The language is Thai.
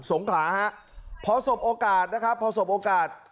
สงขราฮะพอสมโอกาสนะครับ